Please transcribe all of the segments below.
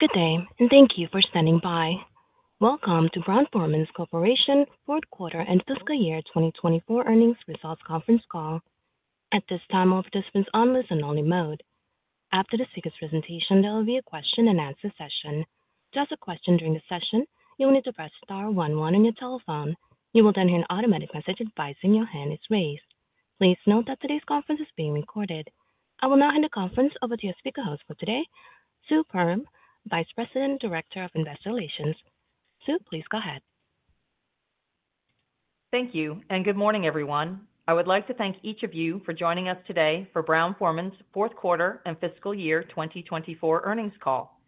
Good day, and thank you for standing by. Welcome to Brown-Forman Corporation Fourth Quarter and Fiscal Year 2024 Earnings Results Conference Call. At this time, all participants on listen-only mode. After the speaker's presentation, there will be a question-and-answer session. To ask a question during the session, you'll need to press star one one on your telephone. You will then hear an automatic message advising your hand is raised. Please note that today's conference is being recorded. I will now hand the conference over to your speaker host for today, Sue Perram, Vice President and Director of Investor Relations. Sue, please go ahead. Thank you, and good morning, everyone. I would like to thank each of you for joining us today for Brown-Forman's Fourth Quarter and Fiscal Year 2024 Earnings Call.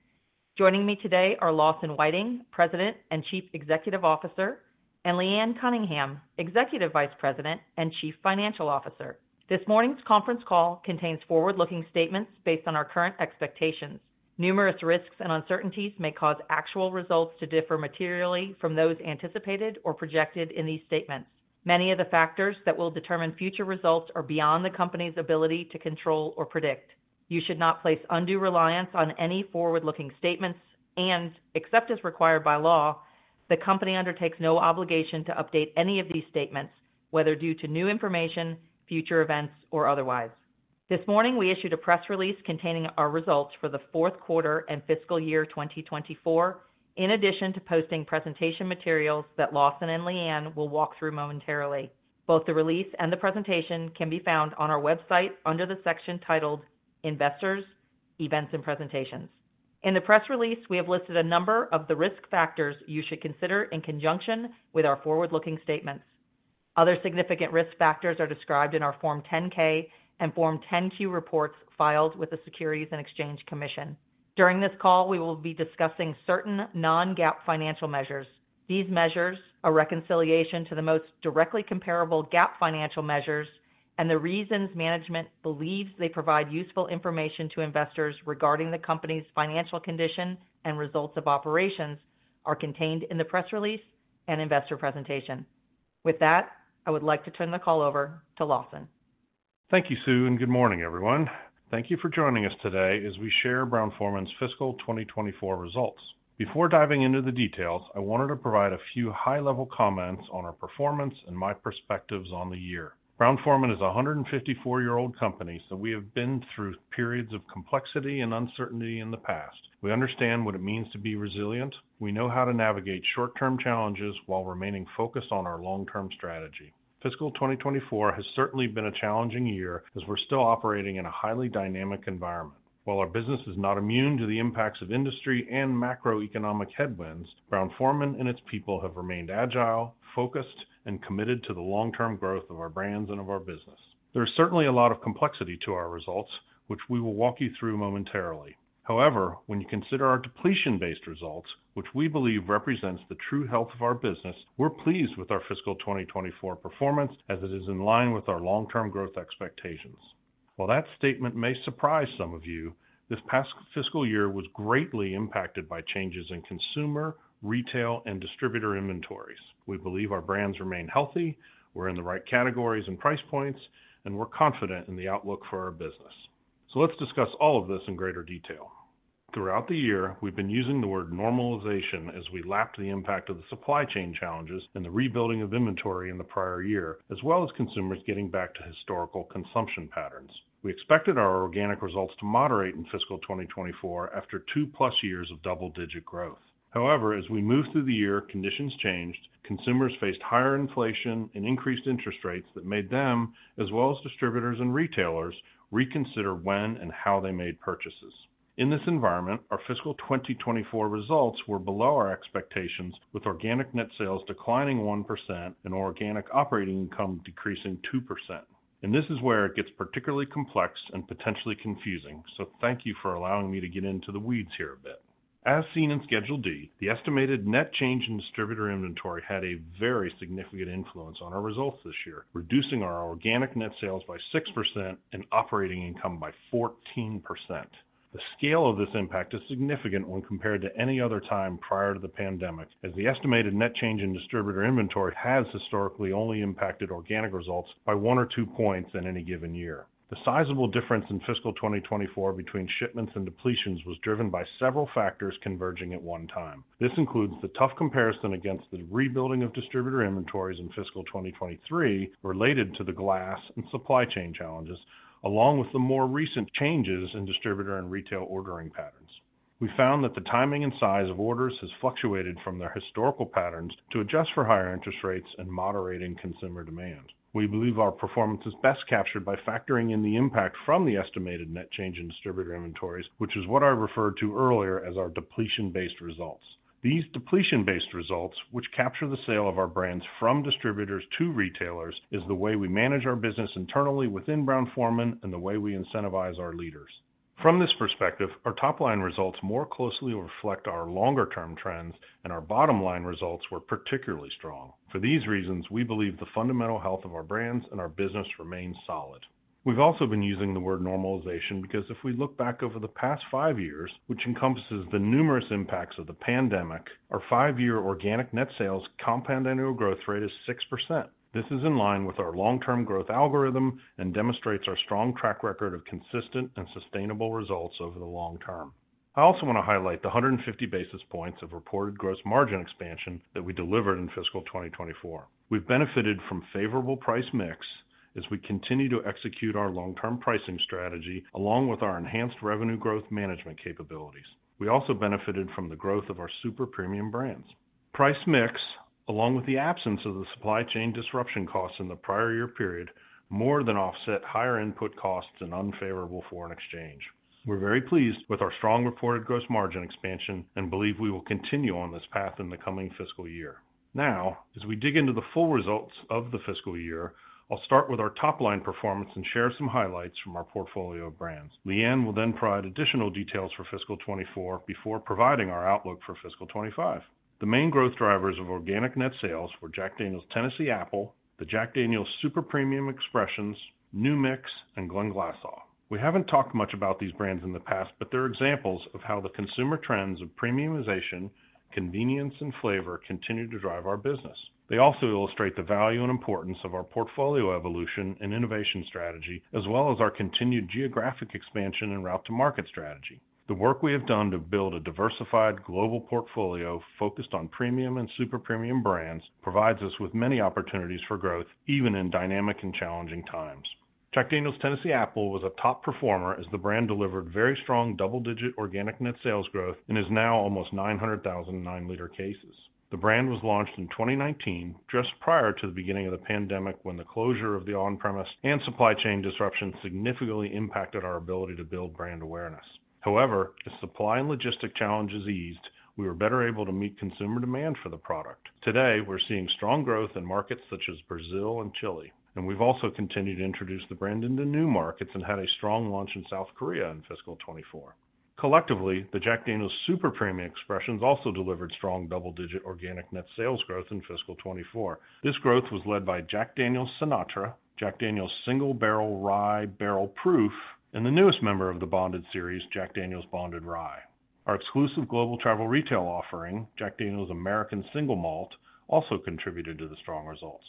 Joining me today are Lawson Whiting, President and Chief Executive Officer, and Leanne Cunningham, Executive Vice President and Chief Financial Officer. This morning's conference call contains forward-looking statements based on our current expectations. Numerous risks and uncertainties may cause actual results to differ materially from those anticipated or projected in these statements. Many of the factors that will determine future results are beyond the company's ability to control or predict. You should not place undue reliance on any forward-looking statements, and except as required by law, the company undertakes no obligation to update any of these statements, whether due to new information, future events, or otherwise. This morning, we issued a press release containing our results for the fourth quarter and fiscal year 2024, in addition to posting presentation materials that Lawson and Leanne will walk through momentarily. Both the release and the presentation can be found on our website under the section titled Investors, Events and Presentations. In the press release, we have listed a number of the risk factors you should consider in conjunction with our forward-looking statements. Other significant risk factors are described in our Form 10-K and Form 10-Q reports filed with the Securities and Exchange Commission. During this call, we will be discussing certain non-GAAP financial measures. These measures, a reconciliation to the most directly comparable GAAP financial measures, and the reasons management believes they provide useful information to investors regarding the company's financial condition and results of operations, are contained in the press release and investor presentation. With that, I would like to turn the call over to Lawson. Thank you, Sue, and good morning, everyone. Thank you for joining us today as we share Brown-Forman's fiscal 2024 results. Before diving into the details, I wanted to provide a few high-level comments on our performance and my perspectives on the year. Brown-Forman is a 154-year-old company, so we have been through periods of complexity and uncertainty in the past. We understand what it means to be resilient. We know how to navigate short-term challenges while remaining focused on our long-term strategy. Fiscal 2024 has certainly been a challenging year as we're still operating in a highly dynamic environment. While our business is not immune to the impacts of industry and macroeconomic headwinds, Brown-Forman and its people have remained agile, focused, and committed to the long-term growth of our brands and of our business. There is certainly a lot of complexity to our results, which we will walk you through momentarily. However, when you consider our depletion-based results, which we believe represents the true health of our business, we're pleased with our fiscal 2024 performance as it is in line with our long-term growth expectations. While that statement may surprise some of you, this past fiscal year was greatly impacted by changes in consumer, retail, and distributor inventories. We believe our brands remain healthy, we're in the right categories and price points, and we're confident in the outlook for our business. So let's discuss all of this in greater detail. Throughout the year, we've been using the word normalization as we lapped the impact of the supply chain challenges and the rebuilding of inventory in the prior year, as well as consumers getting back to historical consumption patterns. We expected our organic results to moderate in fiscal 2024 after two-plus years of double-digit growth. However, as we moved through the year, conditions changed. Consumers faced higher inflation and increased interest rates that made them, as well as distributors and retailers, reconsider when and how they made purchases. In this environment, our fiscal 2024 results were below our expectations, with organic net sales declining 1% and organic operating income decreasing 2%. And this is where it gets particularly complex and potentially confusing, so thank you for allowing me to get into the weeds here a bit. As seen in Schedule D, the estimated net change in distributor inventory had a very significant influence on our results this year, reducing our organic net sales by 6% and operating income by 14%. The scale of this impact is significant when compared to any other time prior to the pandemic, as the estimated net change in distributor inventory has historically only impacted organic results by one or two points in any given year. The sizable difference in fiscal 2024 between shipments and depletions was driven by several factors converging at one time. This includes the tough comparison against the rebuilding of distributor inventories in fiscal 2023 related to the glass and supply chain challenges, along with the more recent changes in distributor and retail ordering patterns. We found that the timing and size of orders has fluctuated from their historical patterns to adjust for higher interest rates and moderating consumer demand. We believe our performance is best captured by factoring in the impact from the estimated net change in distributor inventories, which is what I referred to earlier as our depletion-based results. These depletion-based results, which capture the sale of our brands from distributors to retailers, is the way we manage our business internally within Brown-Forman and the way we incentivize our leaders. From this perspective, our top-line results more closely reflect our longer-term trends, and our bottom-line results were particularly strong. For these reasons, we believe the fundamental health of our brands and our business remains solid. We've also been using the word normalization because if we look back over the past five years, which encompasses the numerous impacts of the pandemic, our five-year organic net sales compound annual growth rate is 6%. This is in line with our long-term growth algorithm and demonstrates our strong track record of consistent and sustainable results over the long term. I also want to highlight the 150 basis points of reported gross margin expansion that we delivered in fiscal 2024. We've benefited from favorable price mix as we continue to execute our long-term pricing strategy, along with our enhanced revenue growth management capabilities. We also benefited from the growth of our super-premium brands. Price mix, along with the absence of the supply chain disruption costs in the prior-year period, more than offset higher input costs and unfavorable foreign exchange. We're very pleased with our strong reported gross margin expansion and believe we will continue on this path in the coming fiscal year. Now, as we dig into the full results of the fiscal year, I'll start with our top-line performance and share some highlights from our portfolio of brands. Leanne will then provide additional details for fiscal 2024 before providing our outlook for fiscal 2025. The main growth drivers of organic net sales were Jack Daniel's Tennessee Apple, the Jack Daniel's Super Premium Expressions, New Mix, and Glenglassaugh. We haven't talked much about these brands in the past, but they're examples of how the consumer trends of premiumization, convenience, and flavor continue to drive our business. They also illustrate the value and importance of our portfolio evolution and innovation strategy, as well as our continued geographic expansion and route-to-market strategy. The work we have done to build a diversified global portfolio focused on premium and super-premium brands, provides us with many opportunities for growth, even in dynamic and challenging times. Jack Daniel's Tennessee Apple was a top performer as the brand delivered very strong double-digit organic net sales growth and is now almost 900,000 nine-liter cases. The brand was launched in 2019, just prior to the beginning of the pandemic, when the closure of the on-premise and supply chain disruption significantly impacted our ability to build brand awareness. However, as supply and logistic challenges eased, we were better able to meet consumer demand for the product. Today, we're seeing strong growth in markets such as Brazil and Chile, and we've also continued to introduce the brand into new markets and had a strong launch in South Korea in fiscal 2024. Collectively, the Jack Daniel's Super Premium Expressions also delivered strong double-digit organic net sales growth in fiscal 2024. This growth was led by Jack Daniel's Sinatra Select, Jack Daniel's Single Barrel Rye Barrel Proof, and the newest member of the bonded series, Jack Daniel's Bonded Rye. Our exclusive global travel retail offering, Jack Daniel's American Single Malt, also contributed to the strong results.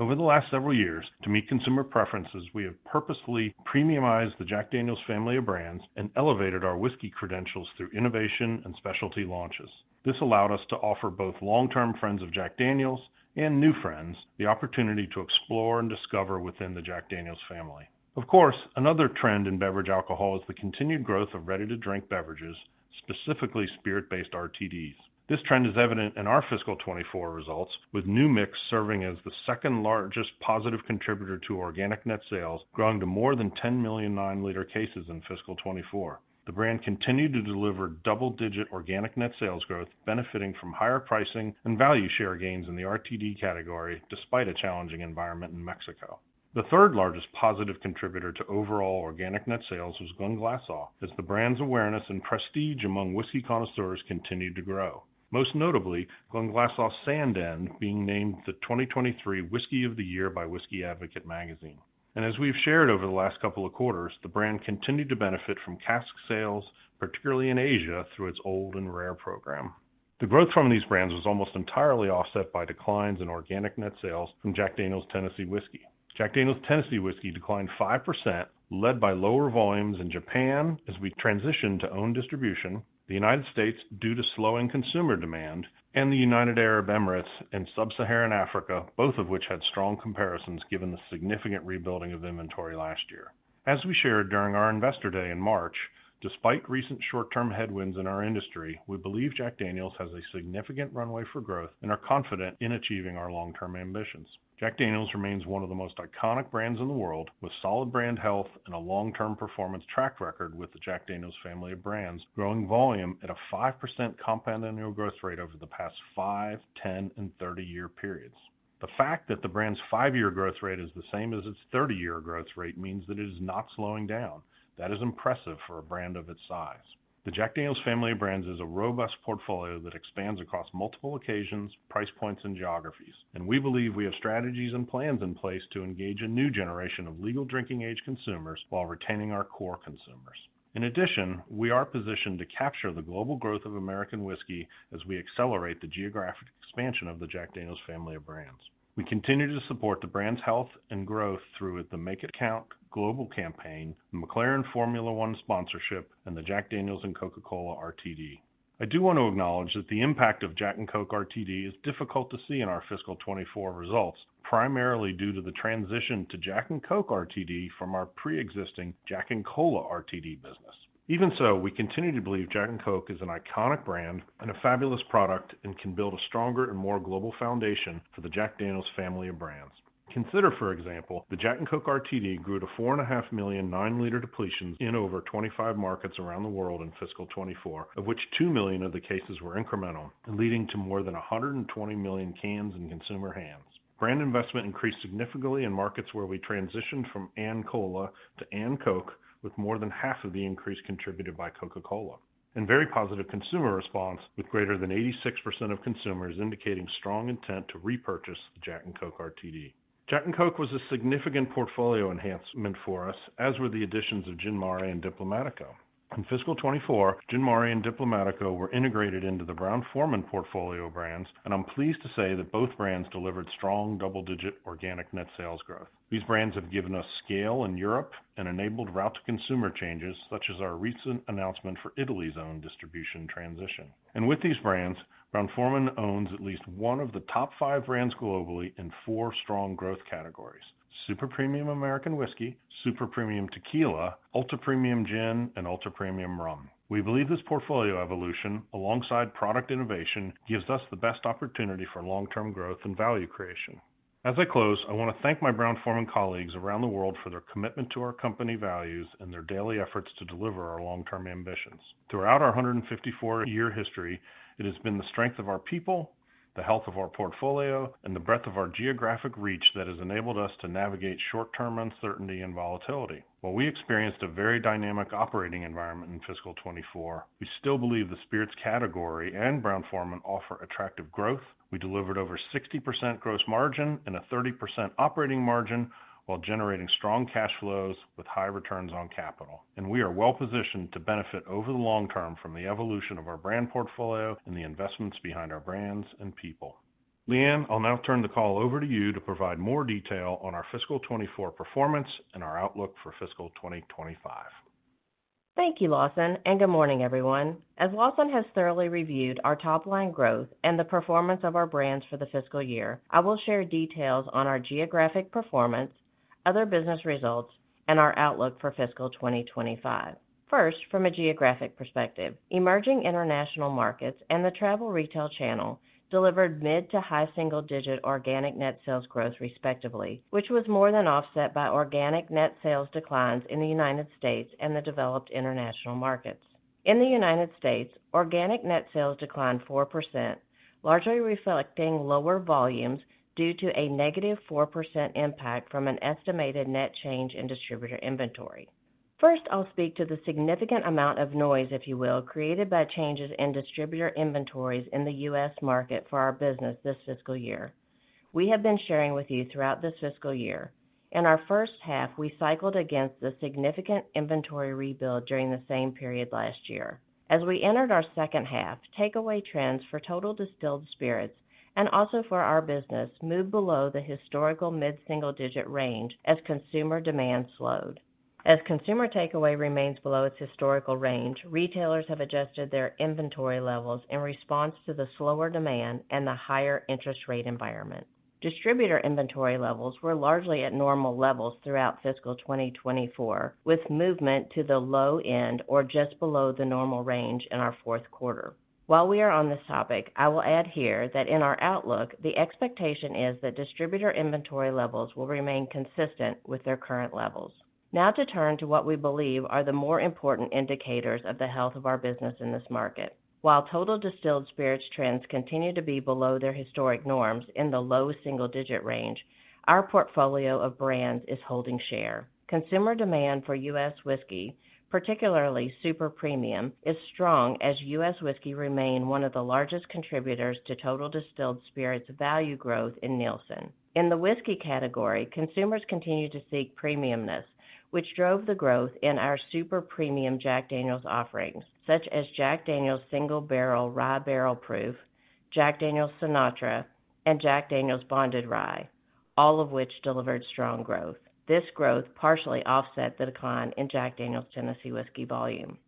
Over the last several years, to meet consumer preferences, we have purposefully premiumized the Jack Daniel's family of brands and elevated our whiskey credentials through innovation and specialty launches. This allowed us to offer both long-term friends of Jack Daniel's and new friends the opportunity to explore and discover within the Jack Daniel's family. Of course, another trend in beverage alcohol is the continued growth of ready-to-drink beverages, specifically spirit-based RTDs. This trend is evident in our fiscal 2024 results, with New Mix serving as the second-largest positive contributor to organic net sales, growing to more than 10 million nine-liter cases in fiscal 2024. The brand continued to deliver double-digit organic net sales growth, benefiting from higher pricing and value share gains in the RTD category, despite a challenging environment in Mexico. The third largest positive contributor to overall organic net sales was Glenglassaugh, as the brand's awareness and prestige among whiskey connoisseurs continued to grow. Most notably, Glenglassaugh Sandend being named the 2023 Whisky of the Year by Whisky Advocate Magazine. And as we've shared over the last couple of quarters, the brand continued to benefit from cask sales, particularly in Asia, through its Old and Rare program. The growth from these brands was almost entirely offset by declines in organic net sales from Jack Daniel's Tennessee Whiskey. Jack Daniel's Tennessee Whiskey declined 5%, led by lower volumes in Japan as we transitioned to own distribution, the United States, due to slowing consumer demand, and the United Arab Emirates and Sub-Saharan Africa, both of which had strong comparisons given the significant rebuilding of inventory last year. As we shared during our Investor Day in March, despite recent short-term headwinds in our industry, we believe Jack Daniel's has a significant runway for growth and are confident in achieving our long-term ambitions. Jack Daniel's remains one of the most iconic brands in the world, with solid brand health and a long-term performance track record with the Jack Daniel's family of brands, growing volume at a 5% compound annual growth rate over the past five-, 10-, and 30-year periods. The fact that the brand's five-year growth rate is the same as its 30-year growth rate means that it is not slowing down. That is impressive for a brand of its size. The Jack Daniel's family of brands is a robust portfolio that expands across multiple occasions, price points, and geographies. And we believe we have strategies and plans in place to engage a new generation of legal drinking age consumers while retaining our core consumers. In addition, we are positioned to capture the global growth of American whiskey as we accelerate the geographic expansion of the Jack Daniel's family of brands. We continue to support the brand's health and growth through the Make It Count global campaign, the McLaren Formula One sponsorship, and the Jack Daniel's and Coca-Cola RTD. I do want to acknowledge that the impact of Jack and Coke RTD is difficult to see in our fiscal 2024 results, primarily due to the transition to Jack and Coke RTD from our pre-existing Jack and Cola RTD business. Even so, we continue to believe Jack and Coke is an iconic brand and a fabulous product, and can build a stronger and more global foundation for the Jack Daniel's family of brands. Consider, for example, the Jack and Coke RTD grew to 4.5 million nine-liter depletions in over 25 markets around the world in fiscal 2024, of which 2 million of the cases were incremental and leading to more than 120 million cans in consumer hands. Brand investment increased significantly in markets where we transitioned from Jack and Cola to Jack and Coke, with more than half of the increase contributed by Coca-Cola. Very positive consumer response, with greater than 86% of consumers indicating strong intent to repurchase the Jack and Coke RTD. Jack and Coke was a significant portfolio enhancement for us, as were the additions of Gin Mare and Diplomático. In fiscal 2024, Gin Mare and Diplomático were integrated into the Brown-Forman portfolio brands, and I'm pleased to say that both brands delivered strong double-digit organic net sales growth. These brands have given us scale in Europe and enabled route to consumer changes, such as our recent announcement for Italy's own distribution transition. With these brands, Brown-Forman owns at least one of the top five brands globally in four strong growth categories: super-premium American whiskey, super-premium tequila, ultra-premium gin, and ultra-premium rum. We believe this portfolio evolution, alongside product innovation, gives us the best opportunity for long-term growth and value creation. As I close, I want to thank my Brown-Forman colleagues around the world for their commitment to our company values and their daily efforts to deliver our long-term ambitions. Throughout our 154-year history, it has been the strength of our people, the health of our portfolio, and the breadth of our geographic reach that has enabled us to navigate short-term uncertainty and volatility. While we experienced a very dynamic operating environment in fiscal 2024, we still believe the spirits category and Brown-Forman offer attractive growth. We delivered over 60% gross margin and a 30% operating margin, while generating strong cash flows with high returns on capital. We are well positioned to benefit over the long term from the evolution of our brand portfolio and the investments behind our brands and people. Leanne, I'll now turn the call over to you to provide more detail on our fiscal 2024 performance and our outlook for fiscal 2025. Thank you, Lawson, and good morning, everyone. As Lawson has thoroughly reviewed our top-line growth and the performance of our brands for the fiscal year, I will share details on our geographic performance, other business results, and our outlook for fiscal 2025. First, from a geographic perspective, emerging international markets and the travel retail channel delivered mid- to high-single-digit organic net sales growth respectively, which was more than offset by organic net sales declines in the United States and the developed international markets. In the United States, organic net sales declined 4%, largely reflecting lower volumes due to a -4% impact from an estimated net change in distributor inventory. First, I'll speak to the significant amount of noise, if you will, created by changes in distributor inventories in the U.S. market for our business this fiscal year. We have been sharing with you throughout this fiscal year. In our first half, we cycled against the significant inventory rebuild during the same period last year. As we entered our second half, takeaway trends for total distilled spirits, and also for our business, moved below the historical mid-single-digit range as consumer demand slowed. As consumer takeaway remains below its historical range, retailers have adjusted their inventory levels in response to the slower demand and the higher interest rate environment. Distributor inventory levels were largely at normal levels throughout fiscal 2024, with movement to the low end or just below the normal range in our fourth quarter. While we are on this topic, I will add here that in our outlook, the expectation is that distributor inventory levels will remain consistent with their current levels. Now to turn to what we believe are the more important indicators of the health of our business in this market. While total distilled spirits trends continue to be below their historic norms in the low-single-digit range, our portfolio of brands is holding share. Consumer demand for U.S. whiskey, particularly super-premium, is strong as U.S. whiskey remain one of the largest contributors to total distilled spirits value growth in Nielsen. In the whiskey category, consumers continue to seek premiumness, which drove the growth in our super-premium Jack Daniel's offerings, such as Jack Daniel's Single Barrel Rye Barrel Proof, Jack Daniel's Sinatra, and Jack Daniel's Bonded Rye, all of which delivered strong growth. This growth partially offset the decline in Jack Daniel's Tennessee Whiskey volume.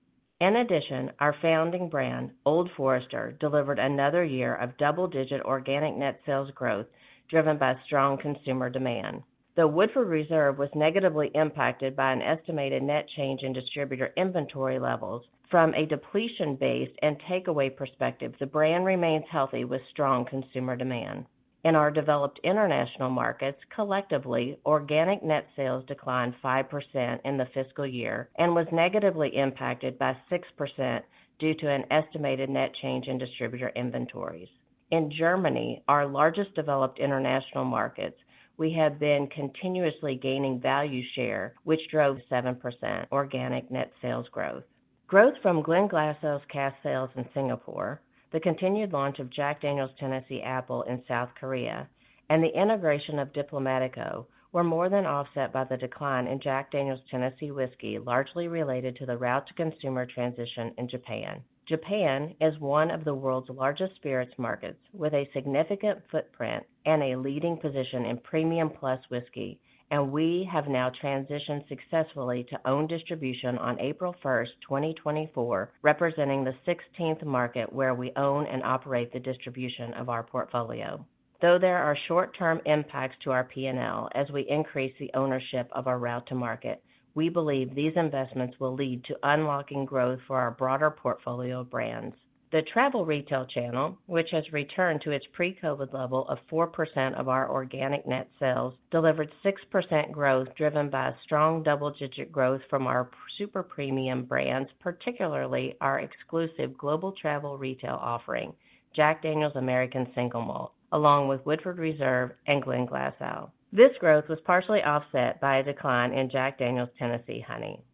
In addition, our founding brand, Old Forester, delivered another year of double-digit organic net sales growth, driven by strong consumer demand. The Woodford Reserve was negatively impacted by an estimated net change in distributor inventory levels. From a depletion base and takeaway perspective, the brand remains healthy with strong consumer demand. In our developed international markets, collectively, organic net sales declined 5% in the fiscal year and was negatively impacted by 6% due to an estimated net change in distributor inventories. In Germany, our largest developed international markets, we have been continuously gaining value share, which drove 7% organic net sales growth. Growth from Glenglassaugh's cask sales in Singapore, the continued launch of Jack Daniel's Tennessee Apple in South Korea, and the integration of Diplomático were more than offset by the decline in Jack Daniel's Tennessee Whiskey, largely related to the route to consumer transition in Japan. Japan is one of the world's largest spirits markets, with a significant footprint and a leading position in premium plus whiskey, and we have now transitioned successfully to own distribution on April 1st, 2024, representing the 16th market where we own and operate the distribution of our portfolio. Though there are short-term impacts to our P&L as we increase the ownership of our route to market, we believe these investments will lead to unlocking growth for our broader portfolio of brands. The travel retail channel, which has returned to its pre-COVID level of 4% of our organic net sales, delivered 6% growth, driven by a strong double-digit growth from our super premium brands, particularly our exclusive global travel retail offering, Jack Daniel's American Single Malt, along with Woodford Reserve and Glenglassaugh. This growth was partially offset by a decline in Jack Daniel's Tennessee Honey.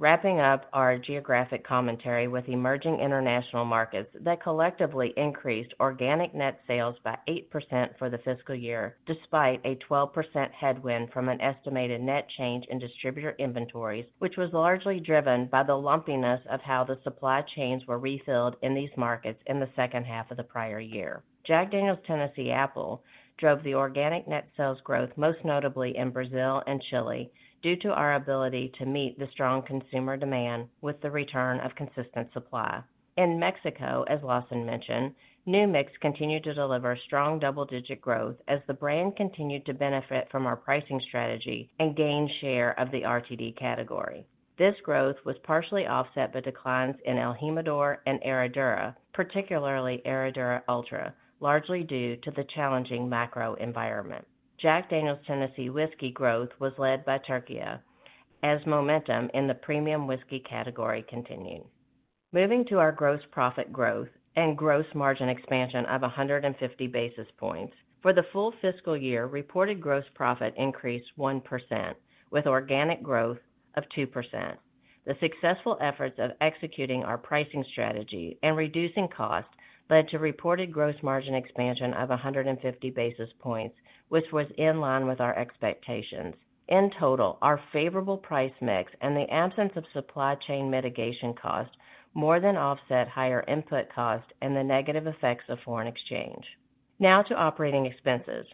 Wrapping up our geographic commentary with emerging international markets that collectively increased organic net sales by 8% for the fiscal year, despite a 12% headwind from an estimated net change in distributor inventories, which was largely driven by the lumpiness of how the supply chains were refilled in these markets in the second half of the prior year. Jack Daniel's Tennessee Apple drove the organic net sales growth, most notably in Brazil and Chile, due to our ability to meet the strong consumer demand with the return of consistent supply. In Mexico, as Lawson mentioned, New Mix continued to deliver strong double-digit growth as the brand continued to benefit from our pricing strategy and gain share of the RTD category. This growth was partially offset by declines in el Jimador and Herradura, particularly Herradura Ultra, largely due to the challenging macro environment. Jack Daniel's Tennessee Whiskey growth was led by Turkey, as momentum in the premium whiskey category continued. Moving to our gross profit growth and gross margin expansion of 150 basis points. For the full fiscal year, reported gross profit increased 1%, with organic growth of 2%. The successful efforts of executing our pricing strategy and reducing costs led to reported gross margin expansion of 150 basis points, which was in line with our expectations. In total, our favorable price mix and the absence of supply chain mitigation costs more than offset higher input costs and the negative effects of foreign exchange. Now to operating expenses.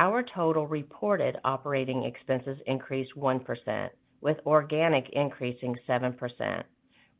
Our total reported operating expenses increased 1%, with organic increasing 7%,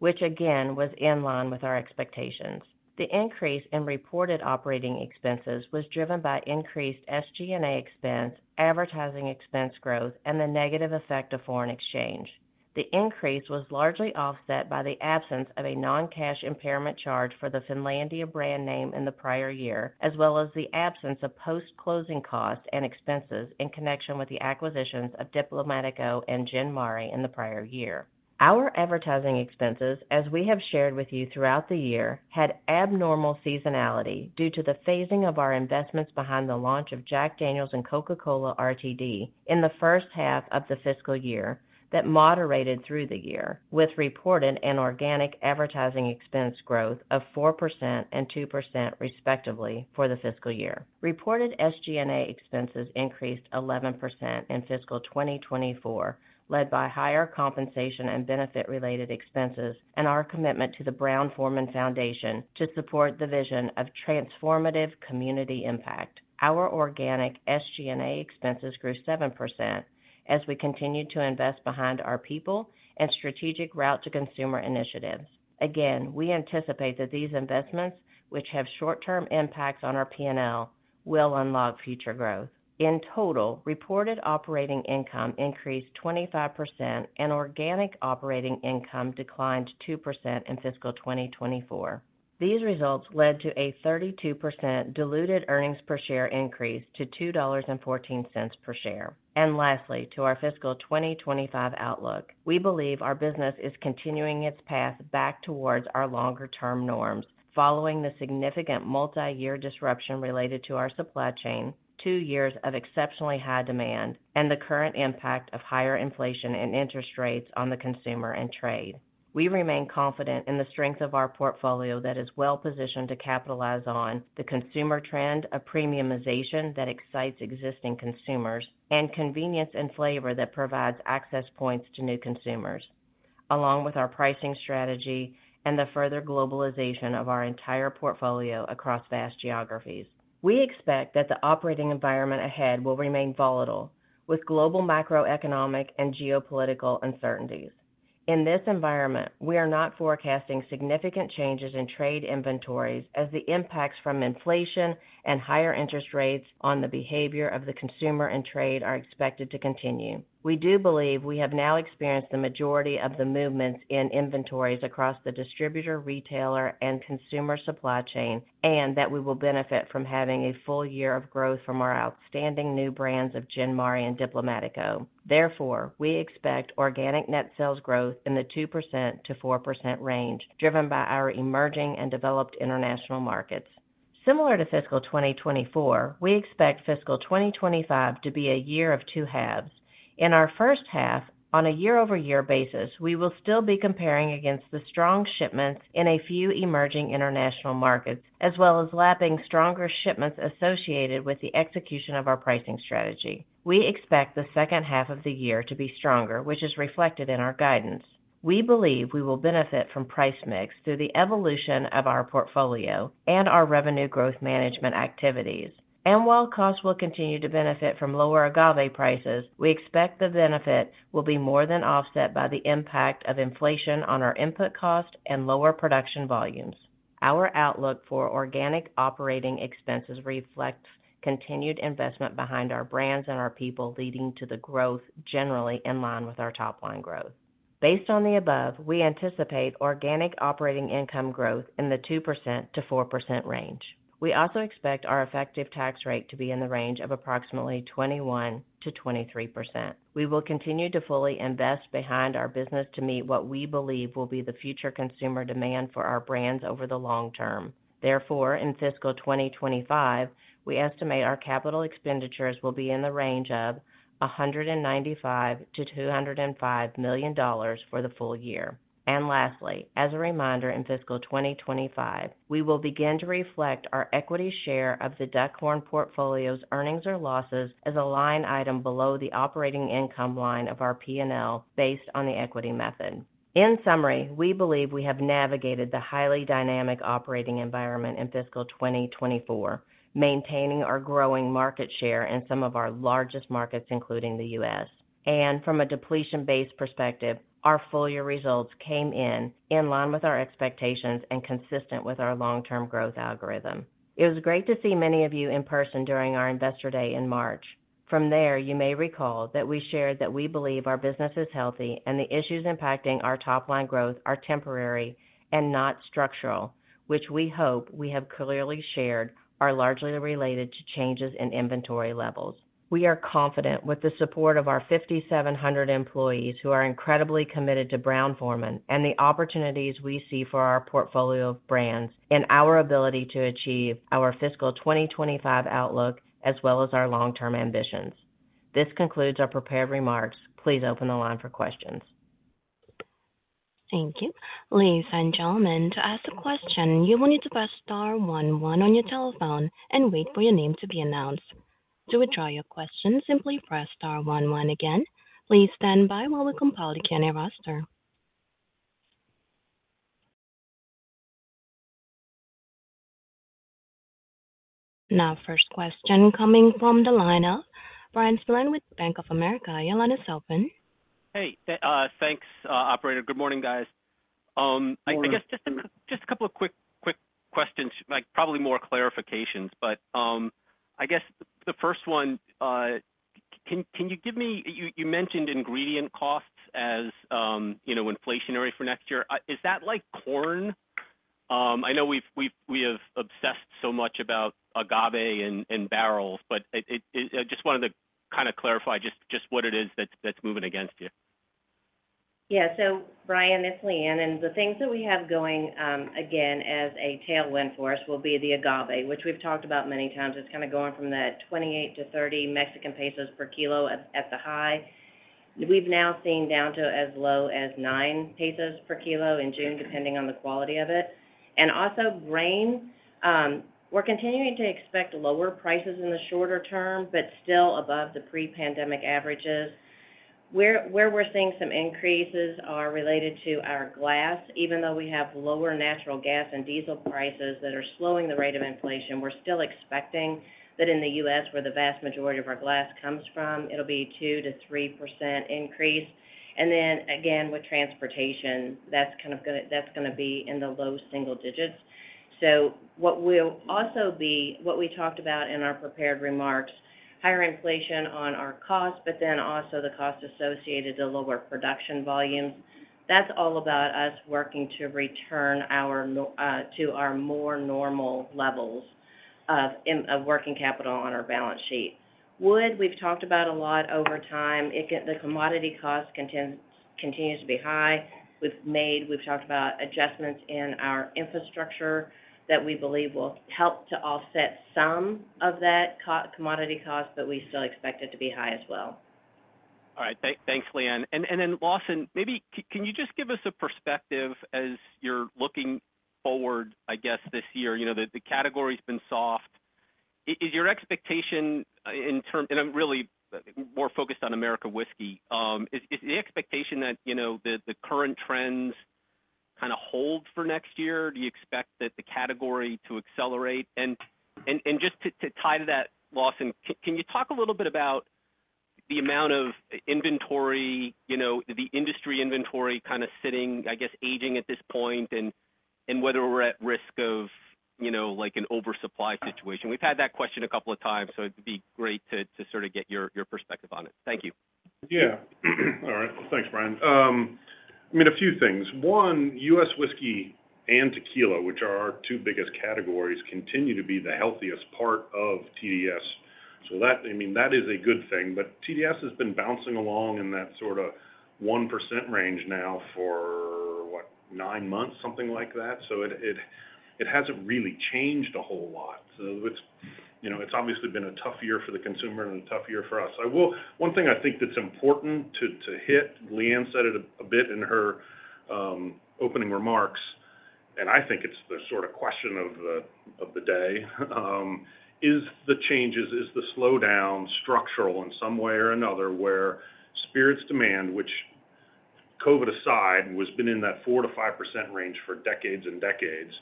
which again was in line with our expectations. The increase in reported operating expenses was driven by increased SG&A expense, advertising expense growth, and the negative effect of foreign exchange. The increase was largely offset by the absence of a non-cash impairment charge for the Finlandia brand name in the prior year, as well as the absence of post-closing costs and expenses in connection with the acquisitions of Diplomático and Gin Mare in the prior year. Our advertising expenses, as we have shared with you throughout the year, had abnormal seasonality due to the phasing of our investments behind the launch of Jack Daniel's and Coca-Cola RTD in the first half of the fiscal year that moderated through the year, with reported and organic advertising expense growth of 4% and 2%, respectively, for the fiscal year. Reported SG&A expenses increased 11% in fiscal 2024, led by higher compensation and benefit-related expenses and our commitment to the Brown-Forman Foundation to support the vision of transformative community impact. Our organic SG&A expenses grew 7% as we continued to invest behind our people and strategic route to consumer initiatives. Again, we anticipate that these investments, which have short-term impacts on our P&L, will unlock future growth. In total, reported operating income increased 25%, and organic operating income declined 2% in fiscal 2024. These results led to a 32% diluted earnings per share increase to $2.14 per share. Lastly, to our fiscal 2025 outlook. We believe our business is continuing its path back towards our longer-term norms, following the significant multiyear disruption related to our supply chain, two years of exceptionally high demand, and the current impact of higher inflation and interest rates on the consumer and trade. We remain confident in the strength of our portfolio that is well positioned to capitalize on the consumer trend of premiumization that excites existing consumers, and convenience and flavor that provides access points to new consumers, along with our pricing strategy and the further globalization of our entire portfolio across vast geographies. We expect that the operating environment ahead will remain volatile, with global macroeconomic and geopolitical uncertainties. In this environment, we are not forecasting significant changes in trade inventories as the impacts from inflation and higher interest rates on the behavior of the consumer and trade are expected to continue. We do believe we have now experienced the majority of the movements in inventories across the distributor, retailer, and consumer supply chain, and that we will benefit from having a full year of growth from our outstanding new brands of Gin Mare and Diplomático. Therefore, we expect organic net sales growth in the 2%-4% range, driven by our emerging and developed international markets. Similar to fiscal 2024, we expect fiscal 2025 to be a year of two halves. In our first half, on a year-over-year basis, we will still be comparing against the strong shipments in a few emerging international markets, as well as lapping stronger shipments associated with the execution of our pricing strategy. We expect the second half of the year to be stronger, which is reflected in our guidance. We believe we will benefit from price mix through the evolution of our portfolio and our revenue growth management activities. And while costs will continue to benefit from lower agave prices, we expect the benefit will be more than offset by the impact of inflation on our input costs and lower production volumes. Our outlook for organic operating expenses reflects continued investment behind our brands and our people, leading to the growth generally in line with our top-line growth. Based on the above, we anticipate organic operating income growth in the 2%-4% range. We also expect our effective tax rate to be in the range of approximately 21%-23%. We will continue to fully invest behind our business to meet what we believe will be the future consumer demand for our brands over the long term. Therefore, in fiscal 2025, we estimate our capital expenditures will be in the range of $195 million-$205 million for the full year. Lastly, as a reminder, in fiscal 2025, we will begin to reflect our equity share of the Duckhorn Portfolio's earnings or losses as a line item below the operating income line of our P&L based on the equity method. In summary, we believe we have navigated the highly dynamic operating environment in fiscal 2024, maintaining our growing market share in some of our largest markets, including the U.S. From a depletion-based perspective, our full-year results came in in line with our expectations and consistent with our long-term growth algorithm. It was great to see many of you in person during our Investor Day in March. From there, you may recall that we shared that we believe our business is healthy and the issues impacting our top-line growth are temporary and not structural, which we hope we have clearly shared, are largely related to changes in inventory levels. We are confident, with the support of our 5,700 employees, who are incredibly committed to Brown-Forman, and the opportunities we see for our portfolio of brands and our ability to achieve our fiscal 2025 outlook, as well as our long-term ambitions. This concludes our prepared remarks. Please open the line for questions. Thank you. Ladies and gentlemen, to ask a question, you will need to press star one, one on your telephone and wait for your name to be announced. To withdraw your question, simply press star one one again. Please stand by while we compile the Q&A roster. Now, first question coming from the line of Bryan Spillane with Bank of America. Your line is open. Hey, thanks, operator. Good morning, guys. Good morning. I guess just a couple of quick questions, like, probably more clarifications, but I guess the first one, can you give me — you mentioned ingredient costs as, you know, inflationary for next year. Is that like corn? I know we have obsessed so much about agave and barrels, but I just wanted to kind of clarify just what it is that's moving against you. Yeah. So Bryan, it's Leanne, and the things that we have going, again, as a tailwind for us will be the agave, which we've talked about many times. It's kind of going from that 28-30 Mexican pesos per kilo at the high. We've now seen down to as low as 9 pesos per kilo in June, depending on the quality of it. And also grain, we're continuing to expect lower prices in the shorter term, but still above the pre-pandemic averages. Where we're seeing some increases are related to our glass. Even though we have lower natural gas and diesel prices that are slowing the rate of inflation, we're still expecting that in the U.S., where the vast majority of our glass comes from, it'll be 2%-3% increase. And then again, with transportation, that's kind of gonna be in the low-single digits. So what will also be what we talked about in our prepared remarks, higher inflation on our costs, but then also the cost associated to lower production volumes. That's all about us working to return our inventory to our more normal levels of working capital on our balance sheet. Wood, we've talked about a lot over time. The commodity cost continues to be high. We've talked about adjustments in our infrastructure that we believe will help to offset some of that commodity cost, but we still expect it to be high as well. All right. Thanks, Leanne. And then Lawson, maybe can you just give us a perspective as you're looking forward, I guess, this year? You know, the category's been soft. Is your expectation in terms and I'm really more focused on American whiskey. Is the expectation that, you know, the current trends kind of hold for next year? Do you expect the category to accelerate? And just to tie to that, Lawson, can you talk a little bit about the amount of inventory, you know, the industry inventory kind of sitting, I guess, aging at this point, and whether we're at risk of, you know, like, an oversupply situation? We've had that question a couple of times, so it'd be great to sort of get your perspective on it. Thank you. Yeah. All right. Thanks, Bryan. I mean, a few things. One, U.S. whiskey and tequila, which are our two biggest categories, continue to be the healthiest part of TDS, so that, I mean, that is a good thing. But TDS has been bouncing along in that sort of 1% range now for what? Nine months, something like that. So it hasn't really changed a whole lot. So it's, you know, it's obviously been a tough year for the consumer and a tough year for us. One thing I think that's important to hit, Leanne said it a bit in her opening remarks, and I think it's the sort of question of the day, is the changes, is the slowdown structural in some way or another, where spirits demand, which COVID aside, has been in that 4%-5% range for decades and decades,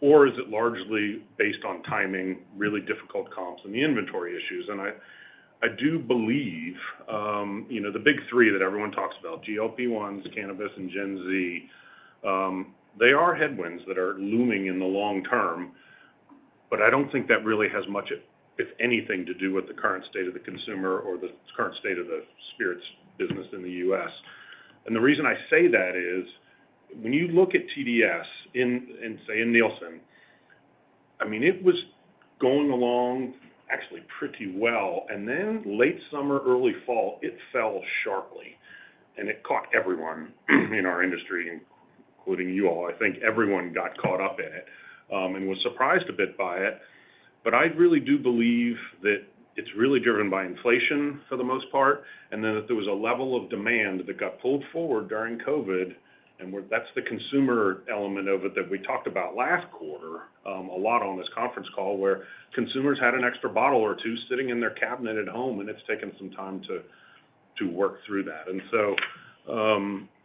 or is it largely based on timing, really difficult comps and the inventory issues? And I do believe, you know, the big three that everyone talks about, GLP-1s, cannabis, and Gen Z, they are headwinds that are looming in the long term, but I don't think that really has much, if anything, to do with the current state of the consumer or the current state of the spirits business in the U.S. The reason I say that is, when you look at TDS in, say, in Nielsen, I mean, it was going along actually pretty well, and then late summer, early fall, it fell sharply, and it caught everyone in our industry, including you all. I think everyone got caught up in it, and was surprised a bit by it. But I really do believe that it's really driven by inflation for the most part, and then that there was a level of demand that got pulled forward during COVID, and where that's the consumer element of it that we talked about last quarter, a lot on this conference call, where consumers had an extra bottle or two sitting in their cabinet at home, and it's taken some time to, to work through that.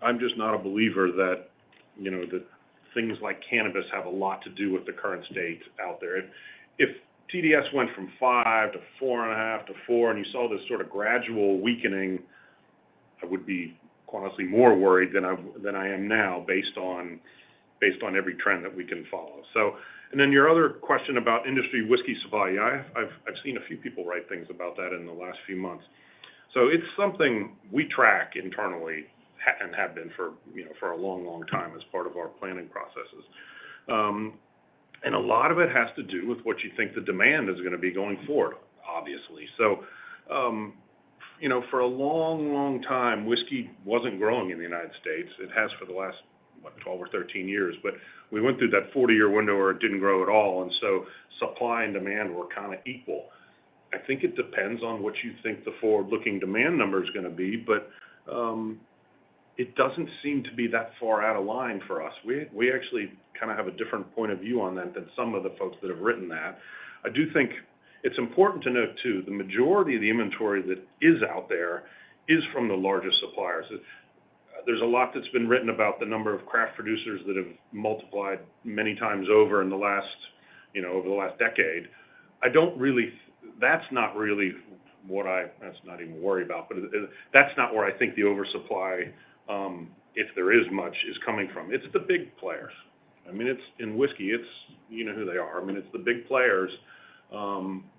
I'm just not a believer that, you know, that things like cannabis have a lot to do with the current state out there. If TDS went from five to 4.5 to four, and you saw this sort of gradual weakening, I would be honestly more worried than I am now, based on every trend that we can follow. And then your other question about industry whiskey supply. I've seen a few people write things about that in the last few months. It's something we track internally, and have been for, you know, a long, long time as part of our planning processes. A lot of it has to do with what you think the demand is gonna be going forward, obviously. So, you know, for a long, long time, whiskey wasn't growing in the United States. It has for the last, what, 12 or 13 years, but we went through that 40-year window where it didn't grow at all, and so supply and demand were kind of equal. I think it depends on what you think the forward-looking demand number is gonna be, but it doesn't seem to be that far out of line for us. We, we actually kind of have a different point of view on that than some of the folks that have written that. I do think it's important to note, too, the majority of the inventory that is out there is from the largest suppliers. There's a lot that's been written about the number of craft producers that have multiplied many times over in the last, you know, over the last decade. I don't really. That's not really what I. That's not even worth worrying about, but that's not where I think the oversupply, if there is much, is coming from. It's the big players. I mean, it's in whiskey, it's, you know who they are. I mean, it's the big players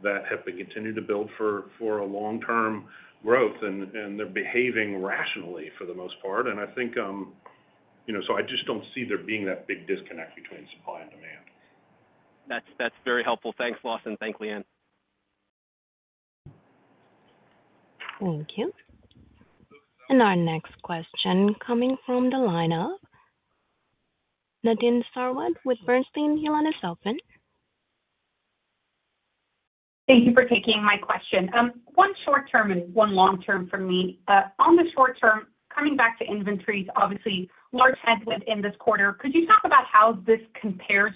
that have been continuing to build for long-term growth, and they're behaving rationally for the most part. I think, you know, so I just don't see there being that big disconnect between supply and demand. That's very helpful. Thanks, Lawson. Thanks, Leanne. Thank you. Our next question coming from the line of Nadine Sarwat with Bernstein. Your line is open. Thank you for taking my question. One short term and one long term for me. On the short term, coming back to inventories, obviously, large headwind in this quarter. Could you talk about how this compares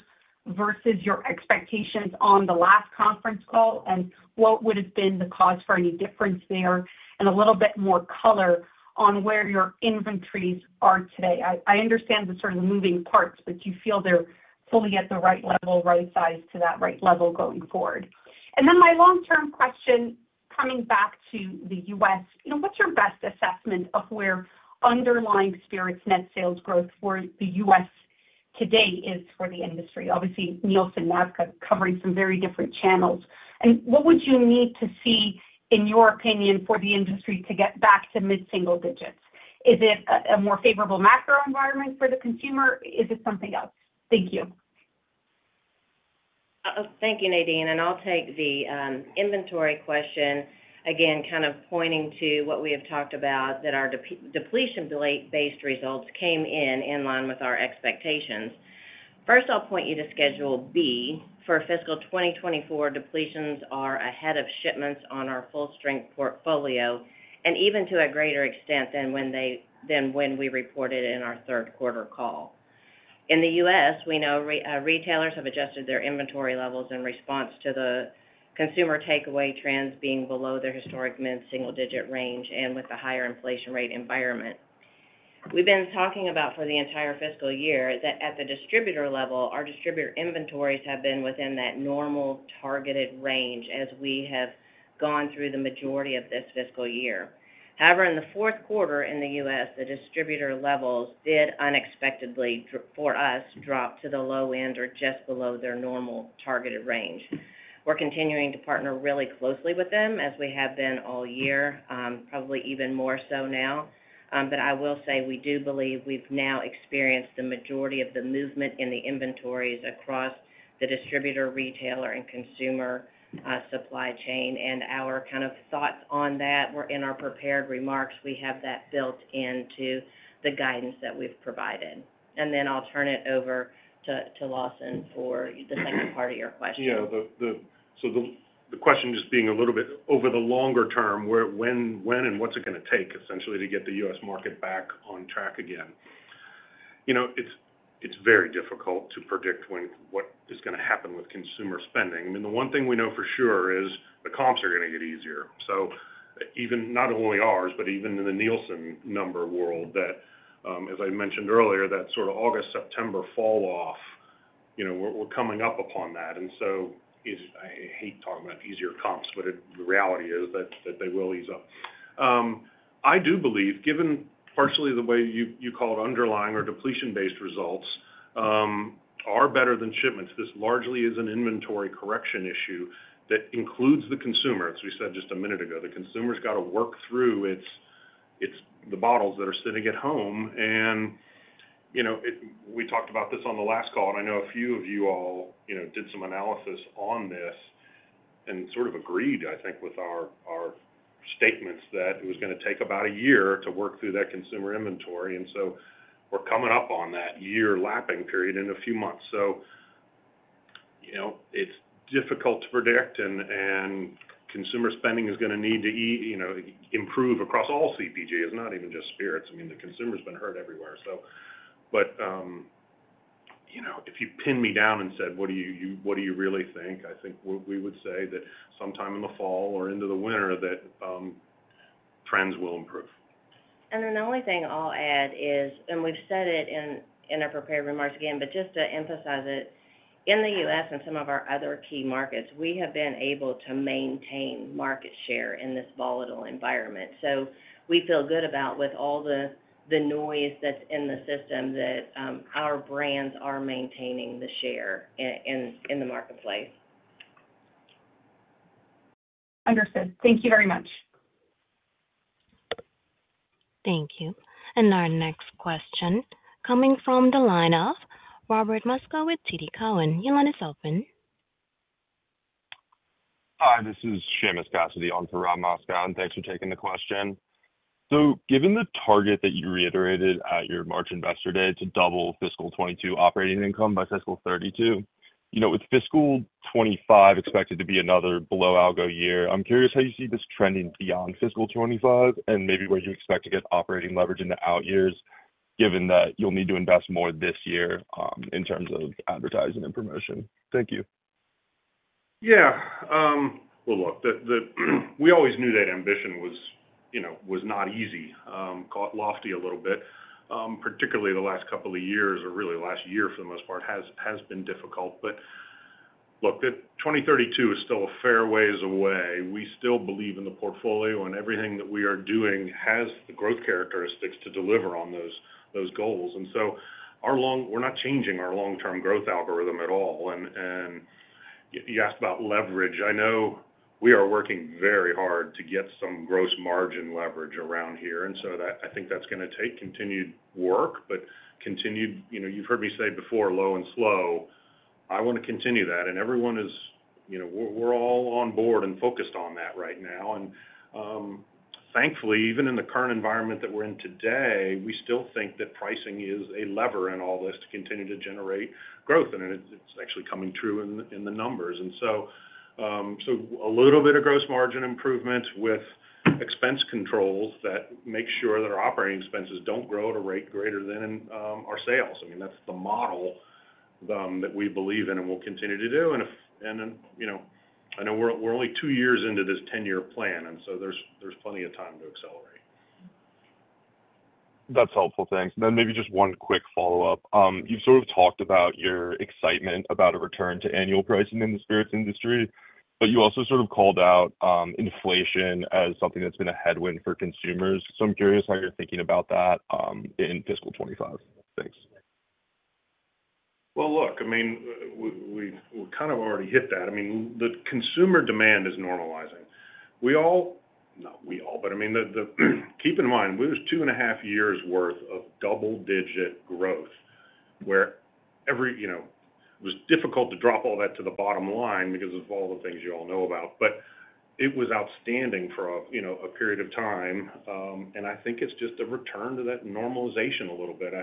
versus your expectations on the last conference call, and what would have been the cause for any difference there? And a little bit more color on where your inventories are today. I understand the sort of moving parts, but you feel they're fully at the right level, right size to that right level going forward. And then my long-term question, coming back to the U.S., you know, what's your best assessment of where underlying spirits net sales growth for the U.S. today is for the industry? Obviously, Nielsen, NABCA, covering some very different channels. What would you need to see, in your opinion, for the industry to get back to mid-single digits? Is it a more favorable macro environment for the consumer? Is it something else? Thank you. Thank you, Nadine, and I'll take the inventory question. Again, kind of pointing to what we have talked about, that our depletion-based results came in in line with our expectations. First, I'll point you to Schedule B. For fiscal 2024, depletions are ahead of shipments on our full-strength portfolio, and even to a greater extent than when we reported in our third quarter call. In the U.S., we know retailers have adjusted their inventory levels in response to the consumer takeaway trends being below their historic mid-single-digit range and with the higher inflation rate environment. We've been talking about for the entire fiscal year, that at the distributor level, our distributor inventories have been within that normal targeted range as we have gone through the majority of this fiscal year. However, in the fourth quarter in the U.S., the distributor levels did unexpectedly drop for us to the low end or just below their normal targeted range. We're continuing to partner really closely with them, as we have been all year, probably even more so now. But I will say, we do believe we've now experienced the majority of the movement in the inventories across the distributor, retailer, and consumer supply chain. And our kind of thoughts on that were in our prepared remarks. We have that built into the guidance that we've provided. And then I'll turn it over to Lawson for the second part of your question. Yeah, so the question just being a little bit over the longer term, where, when and what's it gonna take, essentially, to get the U.S. market back on track again? You know, it's very difficult to predict when—what is gonna happen with consumer spending. I mean, the one thing we know for sure is the comps are gonna get easier. So even, not only ours, but even in the Nielsen number world, that, as I mentioned earlier, that sort of August, September falloff, you know, we're coming up upon that. And so it's, I hate talking about easier comps, but the reality is that they will ease up. I do believe, given partially the way you call it underlying or depletion-based results, are better than shipments. This largely is an inventory correction issue that includes the consumer. As we said just a minute ago, the consumer's got to work through its – the bottles that are sitting at home. And, you know, we talked about this on the last call, and I know a few of you all, you know, did some analysis on this and sort of agreed, I think, with our statements that it was gonna take about a year to work through that consumer inventory. And so we're coming up on that year lapsing period in a few months. So, you know, it's difficult to predict, and consumer spending is gonna need to, you know, improve across all CPGs, not even just spirits. I mean, the consumer's been hurt everywhere, so. But, you know, if you pin me down and said: What do you what do you really think? I think what we would say that sometime in the fall or into the winter, trends will improve. Then the only thing I'll add is, and we've said it in our prepared remarks again, but just to emphasize it. In the U.S. and some of our other key markets, we have been able to maintain market share in this volatile environment. So we feel good about, with all the noise that's in the system, that our brands are maintaining the share in the marketplace. Understood. Thank you very much. Thank you. Our next question coming from the line of Robert Moskow with TD Cowen. Your line is open. Hi, this is Seamus Cassidy on for Rob Moskow, and thanks for taking the question. So given the target that you reiterated at your March Investor Day to double fiscal 2022 operating income by fiscal 2032, you know, with fiscal 2025 expected to be another below algo year, I'm curious how you see this trending beyond fiscal 2025, and maybe where you expect to get operating leverage in the out years, given that you'll need to invest more this year in terms of advertising and promotion. Thank you. Yeah. Well, look, the, the, we always knew that ambition was, you know, was not easy, quite lofty a little bit. Particularly the last couple of years, or really last year for the most part, has been difficult. But look, the 2032 is still a fair ways away. We still believe in the portfolio, and everything that we are doing has the growth characteristics to deliver on those goals. And so our long — we're not changing our long-term growth algorithm at all. And you asked about leverage. I know we are working very hard to get some gross margin leverage around here, and so that— I think that's gonna take continued work. But continued, you know, you've heard me say before, low and slow, I wanna continue that. And everyone is, you know, we're all on board and focused on that right now. And, thankfully, even in the current environment that we're in today, we still think that pricing is a lever in all this to continue to generate growth, and it's actually coming true in the numbers. And so, so a little bit of gross margin improvement with expense controls that make sure that our operating expenses don't grow at a rate greater than our sales. I mean, that's the model that we believe in and will continue to do. And, you know, I know we're only two years into this 10-year plan, and so there's plenty of time to accelerate. That's helpful. Thanks. Then maybe just one quick follow-up. You've sort of talked about your excitement about a return to annual pricing in the spirits industry, but you also sort of called out inflation as something that's been a headwind for consumers. So I'm curious how you're thinking about that in fiscal 2025. Thanks. Well, look, I mean, we kind of already hit that. I mean, the consumer demand is normalizing. We all, not we all, but I mean, keep in mind, we were 2.5 years worth of double-digit growth, where every, you know, it was difficult to drop all that to the bottom line because of all the things you all know about. But it was outstanding for a, you know, a period of time, and I think it's just a return to that normalization a little bit.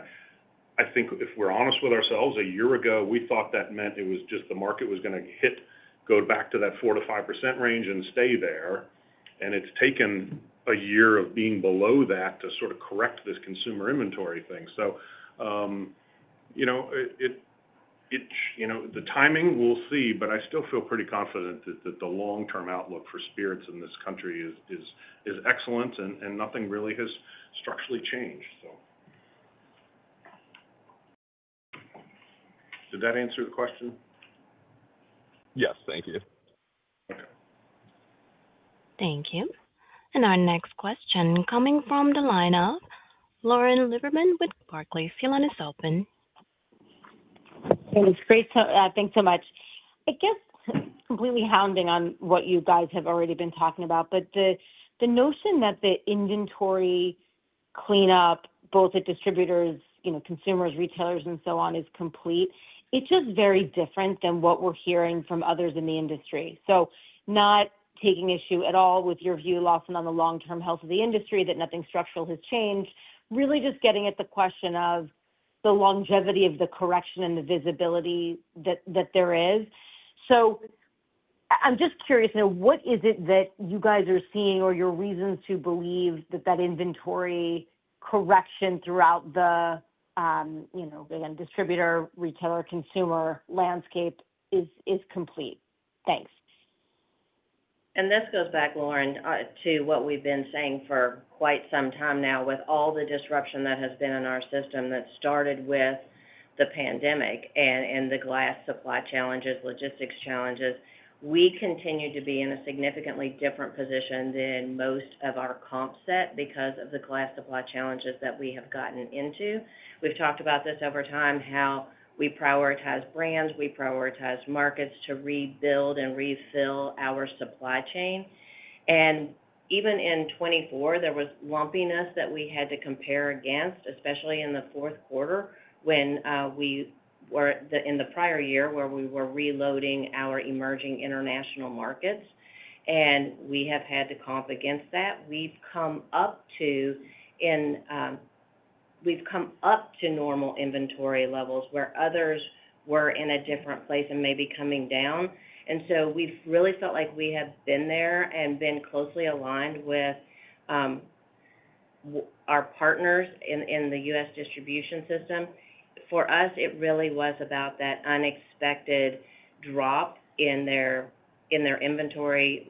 I think if we're honest with ourselves, a year ago, we thought that meant it was just the market was gonna hit, go back to that four to five% range and stay there, and it's taken a year of being below that to sort of correct this consumer inventory thing. So, you know, it you know, the timing, we'll see, but I still feel pretty confident that the long-term outlook for spirits in this country is excellent and nothing really has structurally changed, so. Did that answer the question? Yes. Thank you. Thank you. Our next question coming from the line of Lauren Lieberman with Barclays. Your line is open. It's great to. Thanks so much. I guess, completely harping on what you guys have already been talking about, but the notion that the inventory cleanup, both at distributors, you know, consumers, retailers, and so on, is complete, it's just very different than what we're hearing from others in the industry. So not taking issue at all with your view, Lawson, on the long-term health of the industry, that nothing structural has changed, really just getting at the question of the longevity of the correction and the visibility that there is. So I'm just curious now, what is it that you guys are seeing or your reasons to believe that inventory correction throughout the, you know, again, distributor, retailer, consumer landscape is complete? Thanks. And this goes back, Lauren, to what we've been saying for quite some time now. With all the disruption that has been in our system, that started with the pandemic and, and the glass supply challenges, logistics challenges, we continue to be in a significantly different position than most of our comp set because of the glass supply challenges that we have gotten into. We've talked about this over time, how we prioritize brands, we prioritize markets to rebuild and refill our supply chain. And even in 2024, there was lumpiness that we had to compare against, especially in the fourth quarter, when in the prior year, where we were reloading our emerging international markets, and we have had to comp against that. We've come up to normal inventory levels where others were in a different place and may be coming down. And so we've really felt like we have been there and been closely aligned with our partners in the U.S. distribution system. For us, it really was about that unexpected drop in their inventory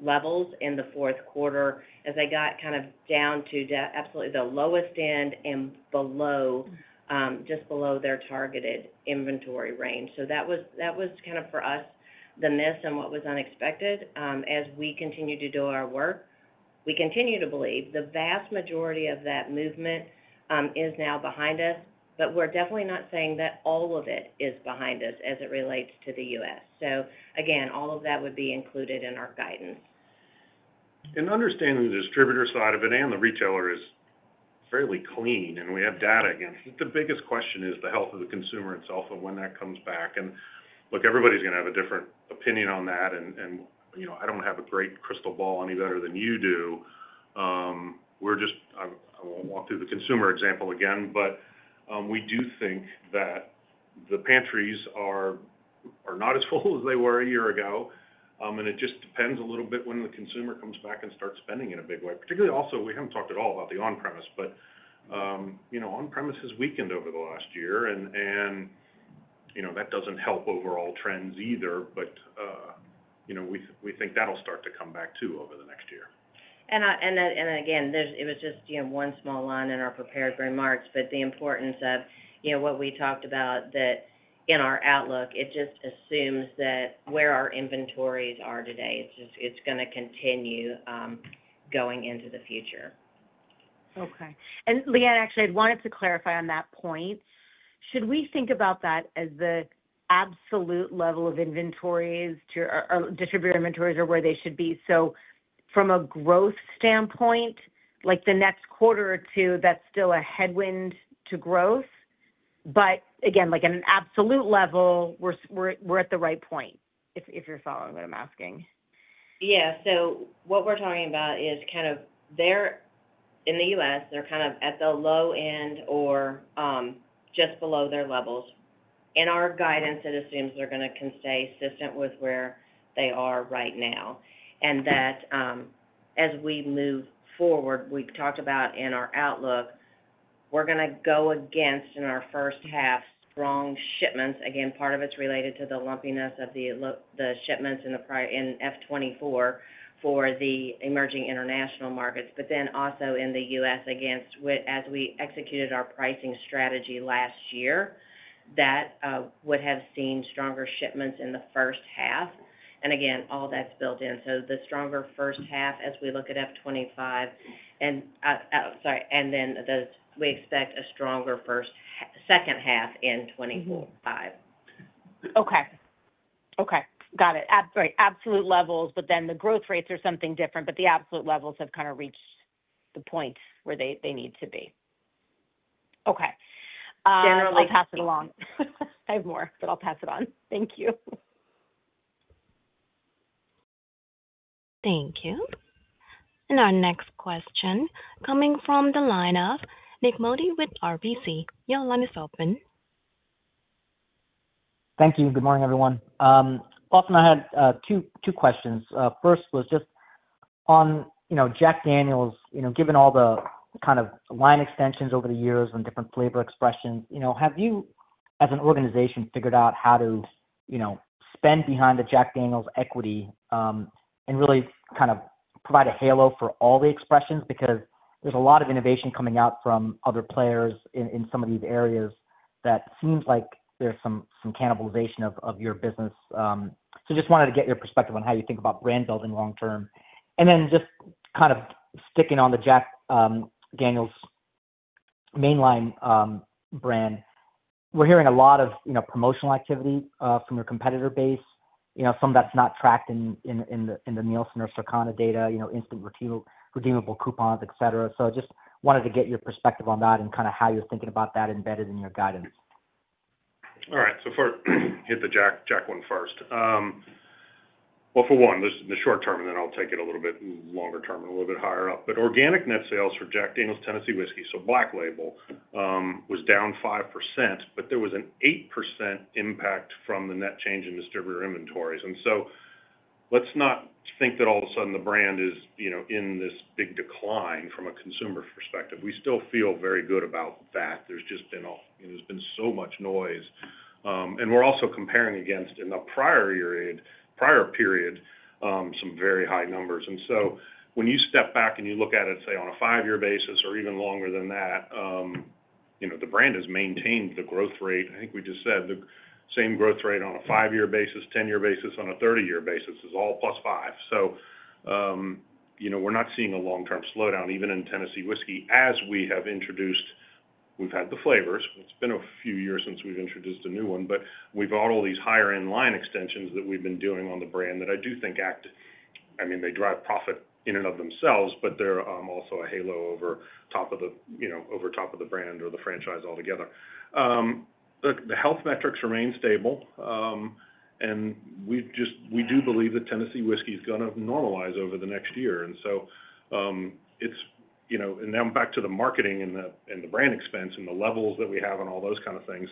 levels in the fourth quarter as they got kind of down to the absolute lowest end and below, just below their targeted inventory range. So that was kind of, for us, the miss and what was unexpected. As we continue to do our work, we continue to believe the vast majority of that movement is now behind us, but we're definitely not saying that all of it is behind us as it relates to the U.S. Again, all of that would be included in our guidance. Understanding the distributor side of it and the retailer is fairly clean, and we have data. Again, the biggest question is the health of the consumer itself and when that comes back. Look, everybody's gonna have a different opinion on that, and, you know, I don't have a great crystal ball any better than you do. I won't walk through the consumer example again, but, we do think that the pantries are not as full as they were a year ago. And it just depends a little bit when the consumer comes back and starts spending in a big way, particularly also, we haven't talked at all about the on-premise, but, you know, on-premise has weakened over the last year, and, you know, that doesn't help overall trends either. You know, we think that'll start to come back too over the next year. And then, and again, it was just, you know, one small line in our prepared remarks, but the importance of, you know, what we talked about that in our outlook. It just assumes that where our inventories are today, it's just, it's gonna continue going into the future. Okay. And Leanne, actually, I'd wanted to clarify on that point. Should we think about that as the absolute level of inventories to — or, or distributor inventories are where they should be? So from a growth standpoint, like, the next quarter or two, that's still a headwind to growth. But again, like, at an absolute level, we're, we're at the right point, if, if you're following what I'm asking. Yeah. So what we're talking about is kind of they're in the U.S., they're kind of at the low end or just below their levels. In our guidance, it assumes they're gonna stay consistent with where they are right now. And that, as we move forward, we've talked about in our outlook, we're gonna go against, in our first half, strong shipments. Again, part of it's related to the lumpiness of the shipments in F 2024 for the emerging international markets, but then also in the U.S. as we executed our pricing strategy last year, that would have seen stronger shipments in the first half. And again, all that's built in. So the stronger first half as we look at F 2025, and then we expect a stronger second half in 2025. Mm-hmm. Okay. Okay, got it. Sorry, absolute levels, but then the growth rates are something different, but the absolute levels have kind of reached the point where they, they need to be. Okay. Generally. I'll pass it along. I have more, but I'll pass it on. Thank you. Thank you. And our next question coming from the line of Nik Modi with RBC. Your line is open. Thank you. Good morning, everyone. Lawson, I had two, two questions. First was just on, you know, Jack Daniel's, you know, given all the kind of line extensions over the years and different flavor expressions, you know, have you, as an organization, figured out how to, you know, spend behind the Jack Daniel's equity, and really kind of provide a halo for all the expressions? Because there's a lot of innovation coming out from other players in, in some of these areas that seems like there's some, some cannibalization of, of your business. So just wanted to get your perspective on how you think about brand building long term. And then just kind of sticking on the Jack Daniel's mainline, brand. We're hearing a lot of, you know, promotional activity from your competitor base, you know, some that's not tracked in the Nielsen or Circana data, you know, instant redeemable coupons, et cetera. So just wanted to get your perspective on that and kind of how you're thinking about that embedded in your guidance? All right. So first, hit the Jack Daniel's first. Well, for one, the short term, and then I'll take it a little bit longer term and a little bit higher up. But organic net sales for Jack Daniel's Tennessee Whiskey, so Black Label, was down 5%, but there was an 8% impact from the net change in distributor inventories. And so let's not think that all of a sudden the brand is, you know, in this big decline from a consumer perspective. We still feel very good about that. There's just been so much noise. And we're also comparing against, in the prior period, some very high numbers. When you step back and you look at it, say, on a five-year basis or even longer than that, you know, the brand has maintained the growth rate. I think we just said, the same growth rate on a five-year basis, 10-year basis, on a 30-year basis is all +5%. You know, we're not seeing a long-term slowdown, even in Tennessee Whiskey, as we have introduced. We've had the flavors. It's been a few years since we've introduced a new one, but we've got all these higher-end line extensions that we've been doing on the brand that I do think I mean, they drive profit in and of themselves, but they're also a halo over top of the, you know, over top of the brand or the franchise altogether. Look, the health metrics remain stable, and we just, we do believe that Tennessee Whiskey is gonna normalize over the next year. And so, it's, you know, and now back to the marketing and the brand expense, and the levels that we have and all those kind of things.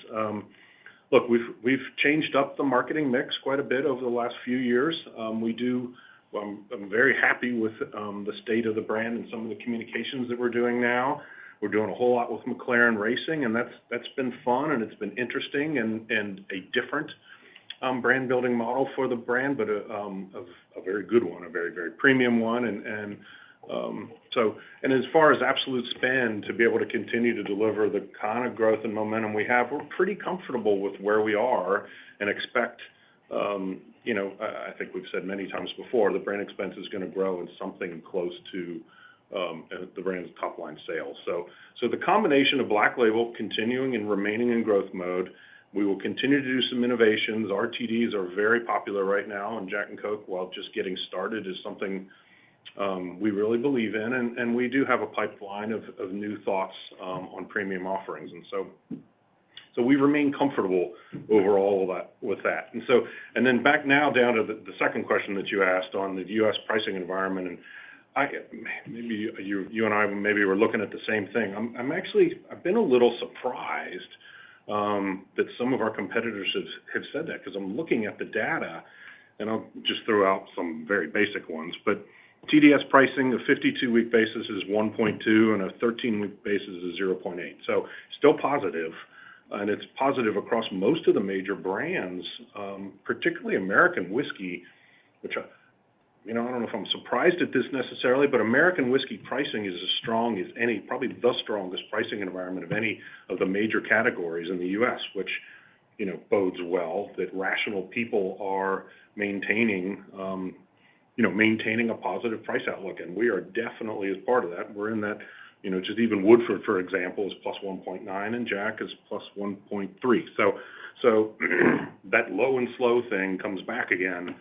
Look, we've changed up the marketing mix quite a bit over the last few years. We do, I'm very happy with the state of the brand and some of the communications that we're doing now. We're doing a whole lot with McLaren Racing, and that's been fun, and it's been interesting and a different brand building model for the brand, but a very good one, a very, very premium one. As far as absolute spend, to be able to continue to deliver the kind of growth and momentum we have, we're pretty comfortable with where we are and expect, you know, I think we've said many times before, the brand expense is gonna grow in something close to, the brand's top-line sales. So, the combination of Black Label continuing and remaining in growth mode, we will continue to do some innovations. RTDs are very popular right now, and Jack and Coke, while just getting started, is something we really believe in. And we do have a pipeline of new thoughts on premium offerings. And so we remain comfortable overall with that. And then back now down to the second question that you asked on the U.S. pricing environment, and I maybe you and I were looking at the same thing. I'm actually I've been a little surprised that some of our competitors have said that, because I'm looking at the data, and I'll just throw out some very basic ones. But TDS pricing, a 52-week basis is 1.2%, and a 13-week basis is 0.8%. So still positive, and it's positive across most of the major brands, particularly American Whiskey, which, you know, I don't know if I'm surprised at this necessarily, but American Whiskey pricing is as strong as any, probably the strongest pricing environment of any of the major categories in the U.S., which, you know, bodes well, that rational people are maintaining, you know, maintaining a positive price outlook. And we are definitely as part of that. We're in that, you know, just even Woodford, for example, is +1.9%, and Jack is +1.3%. So that low and slow thing comes back again,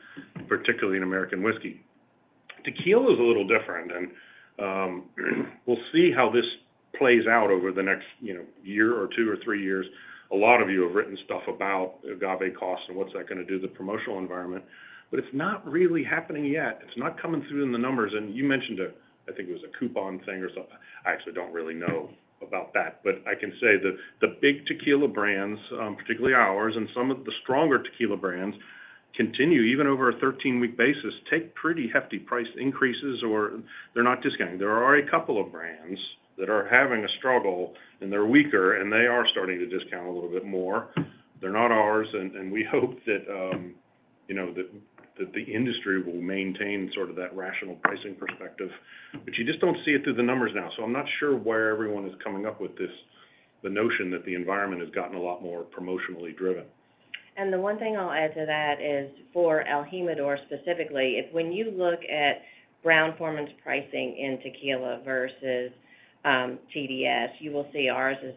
particularly in American Whiskey. Tequila is a little different, and we'll see how this plays out over the next, you know, year or two or three years. A lot of you have written stuff about agave costs and what's that gonna do to the promotional environment, but it's not really happening yet. It's not coming through in the numbers. You mentioned it, I think it was a coupon thing or something. I actually don't really know about that. I can say that the big tequila brands, particularly ours and some of the stronger tequila brands, continue, even over a 13-week basis, to take pretty hefty price increases, or they're not discounting. There are a couple of brands that are having a struggle, and they're weaker, and they are starting to discount a little bit more. They're not ours, and we hope that, you know, that the industry will maintain sort of that rational pricing perspective, but you just don't see it through the numbers now. I'm not sure where everyone is coming up with this, the notion that the environment has gotten a lot more promotionally driven. The one thing I'll add to that is for el Jimador, specifically, if when you look at Brown-Forman's pricing in tequila versus, TDS, you will see ours is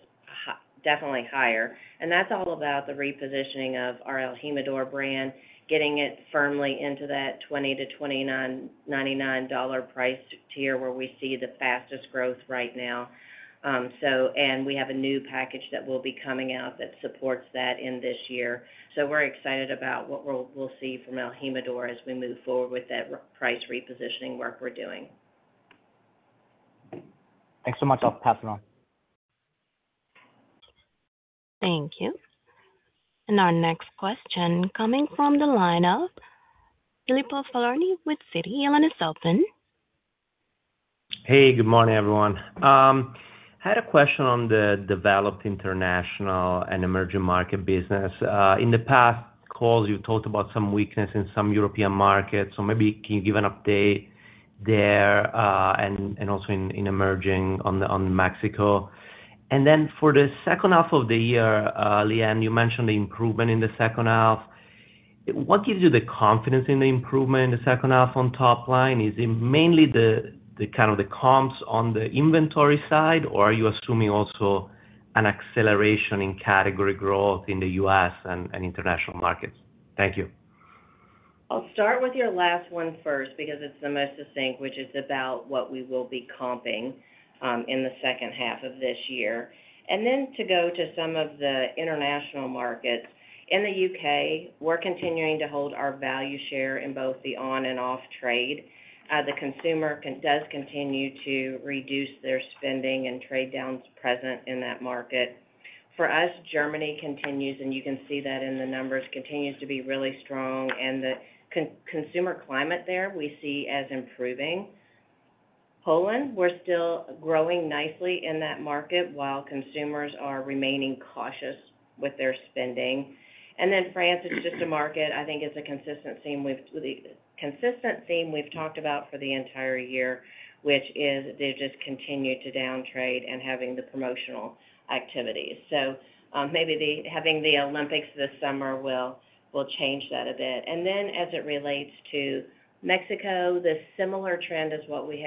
definitely higher. That's all about the repositioning of our el Jimador brand, getting it firmly into that $20-$29.99 price tier, where we see the fastest growth right now. We have a new package that will be coming out that supports that in this year. So we're excited about what we'll see from el Jimador as we move forward with that price repositioning work we're doing. Thanks so much. I'll pass it on. Thank you. Our next question coming from the line of Filippo Falorni with Citi. Your line is open. Hey, good morning, everyone. I had a question on the developed international and emerging market business. In the past calls, you talked about some weakness in some European markets. So maybe can you give an update there, and also in emerging on Mexico? And then for the second half of the year, Leanne, you mentioned the improvement in the second half. What gives you the confidence in the improvement in the second half on top line? Is it mainly the kind of comps on the inventory side, or are you assuming also an acceleration in category growth in the U.S. and international markets? Thank you. I'll start with your last one first, because it's the most succinct, which is about what we will be comping in the second half of this year. And then to go to some of the international markets. In the U.K., we're continuing to hold our value share in both the on and off trade. The consumer does continue to reduce their spending, and trade down is present in that market. For us, Germany continues, and you can see that in the numbers, continues to be really strong, and the consumer climate there, we see as improving. Poland, we're still growing nicely in that market while consumers are remaining cautious with their spending. And then France is just a market, I think, it's a consistent theme with the consistent theme we've talked about for the entire year, which is they just continue to down trade and having the promotional activities. So, maybe the having the Olympics this summer will change that a bit. And then as it relates to Mexico, the similar trend is what we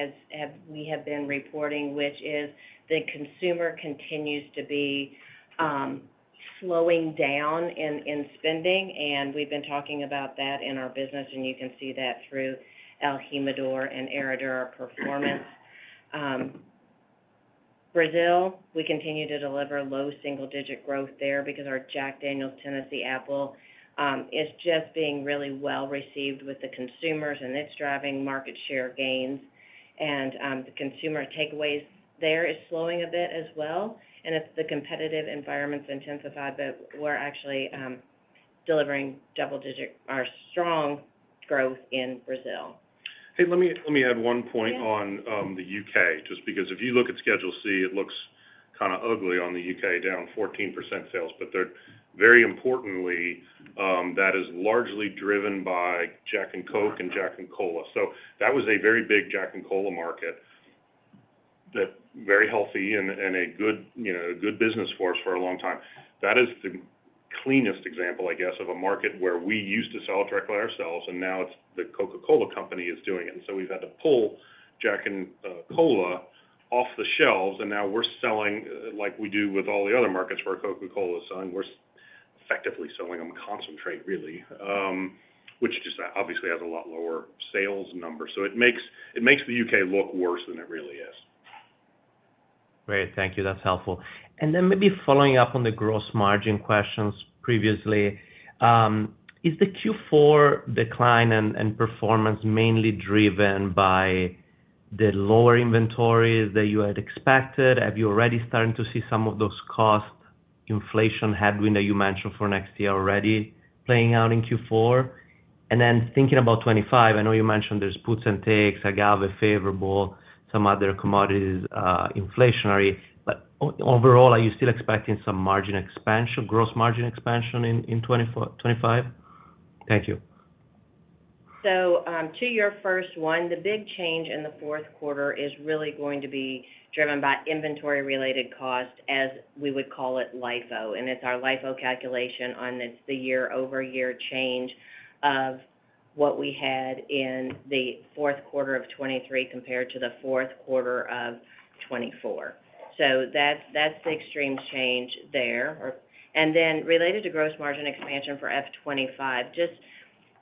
have been reporting, which is the consumer continues to be slowing down in spending, and we've been talking about that in our business, and you can see that through el Jimador and Herradura performance. Brazil, we continue to deliver low single-digit growth there because our Jack Daniel's Tennessee Apple is just being really well received with the consumers, and it's driving market share gains. The consumer takeaways there is slowing a bit as well, and it's the competitive environment's intensified, but we're actually delivering double-digit, our strong growth in Brazil. Hey, let me, let me add one point on- Yeah. -the U.K., just because if you look at Schedule C, it looks kind of ugly on the U.K., down 14% sales. But they're, very importantly, that is largely driven by Jack and Coke and Jack and Cola. So that was a very big Jack and Cola market, that very healthy and a good, you know, good business for us for a long time. That is the cleanest example, I guess, of a market where we used to sell it directly ourselves, and now it's the Coca-Cola Company is doing it. And so we've had to pull Jack and Cola off the shelves, and now we're selling, like we do with all the other markets where Coca-Cola is selling, we're effectively selling them concentrate, really, which just obviously has a lot lower sales numbers. So it makes the U.K. look worse than it really is. Great, thank you. That's helpful. And then maybe following up on the gross margin questions previously, is the Q4 decline and performance mainly driven by- the lower inventories that you had expected? Have you already starting to see some of those cost inflation headwind that you mentioned for next year already playing out in Q4? And then thinking about 2025, I know you mentioned there's puts and takes, agave favorable, some other commodities, inflationary. But overall, are you still expecting some margin expansion, gross margin expansion in, in 2025? Thank you. So, to your first one, the big change in the fourth quarter is really going to be driven by inventory-related costs, as we would call it, LIFO. And it's our LIFO calculation on this, the year-over-year change of what we had in the fourth quarter of 2023 compared to the fourth quarter of 2024. So that's, that's the extreme change there. And then related to gross margin expansion for F 2025, just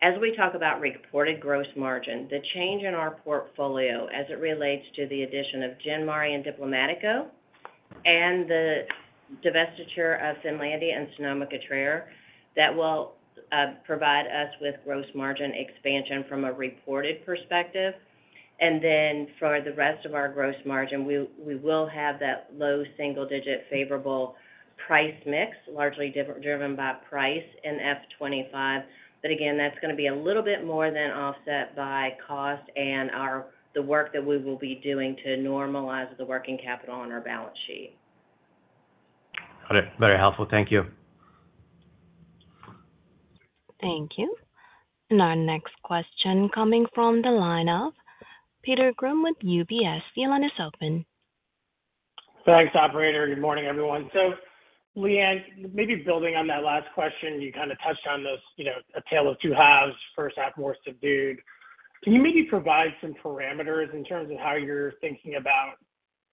as we talk about reported gross margin, the change in our portfolio as it relates to the addition of Gin Mare and Diplomático, and the divestiture of Finlandia and Sonoma-Cutrer, that will provide us with gross margin expansion from a reported perspective. And then for the rest of our gross margin, we will have that low single digit favorable price mix, largely driven by price in F 2025. But again, that's gonna be a little bit more than offset by cost and the work that we will be doing to normalize the working capital on our balance sheet. Got it. Very helpful. Thank you. Thank you. And our next question coming from the line of Peter Grom with UBS. The line is open. Thanks, operator. Good morning, everyone. So, Leanne, maybe building on that last question, you kind of touched on this, you know, a tale of two halves, first half, more subdued. Can you maybe provide some parameters in terms of how you're thinking about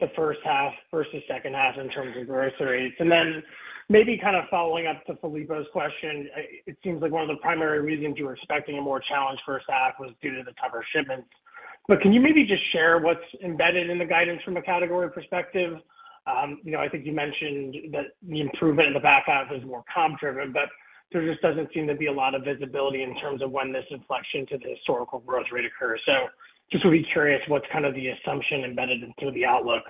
the first half versus second half in terms of growth rates? And then maybe kind of following up to Filippo's question, it seems like one of the primary reasons you were expecting a more challenged first half was due to the tougher shipments. But can you maybe just share what's embedded in the guidance from a category perspective? You know, I think you mentioned that the improvement in the back half is more comp driven, but there just doesn't seem to be a lot of visibility in terms of when this inflection to the historical growth rate occurs. Just would be curious, what's kind of the assumption embedded into the outlook,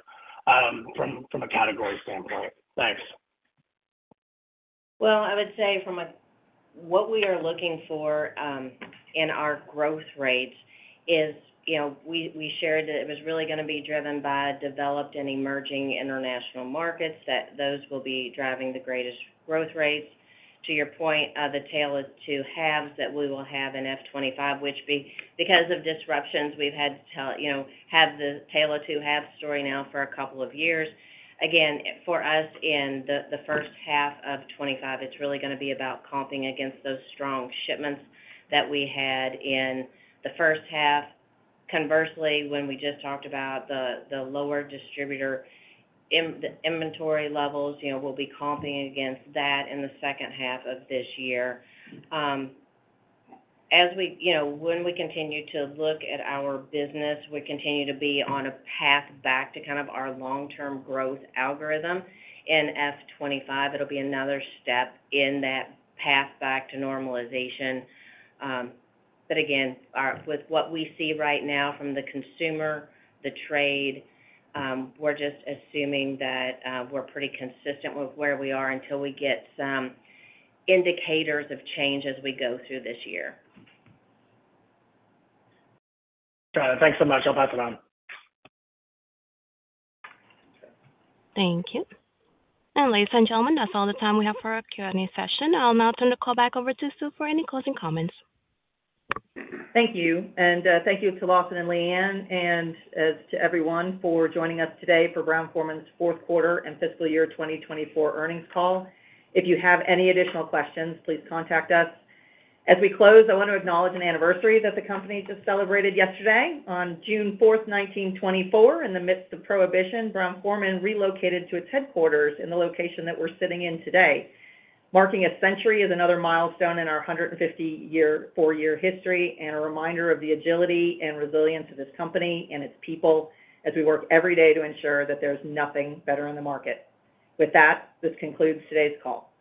from a category standpoint? Thanks. Well, I would say from a — what we are looking for in our growth rates is, you know, we shared that it was really gonna be driven by developed and emerging international markets, that those will be driving the greatest growth rates. To your point, the tale of two halves that we will have in F 2025, which because of disruptions, we've had to tell, you know, have the tale of two halves story now for a couple of years. Again, for us, in the first half of 2025, it's really gonna be about comping against those strong shipments that we had in the first half. Conversely, when we just talked about the lower distributor inventory levels, you know, we'll be comping against that in the second half of this year. As we—you know, when we continue to look at our business, we continue to be on a path back to kind of our long-term growth algorithm. In F 2025, it'll be another step in that path back to normalization. But again, our—with what we see right now from the consumer, the trade, we're just assuming that, we're pretty consistent with where we are until we get some indicators of change as we go through this year. Got it. Thanks so much. I'll pass it on. Thank you. Ladies and gentlemen, that's all the time we have for our Q&A session. I'll now turn the call back over to Sue for any closing comments. Thank you. Thank you to Lawson and Leanne, and to everyone for joining us today for Brown-Forman's Fourth Quarter and Fiscal Year 2024 Earnings Call. If you have any additional questions, please contact us. As we close, I want to acknowledge an anniversary that the company just celebrated yesterday. On June 4th, 1924, in the midst of Prohibition, Brown-Forman relocated to its headquarters in the location that we're sitting in today, marking a century as another milestone in our 154-year history, and a reminder of the agility and resilience of this company and its people as we work every day to ensure that there's nothing better in the market. With that, this concludes today's call.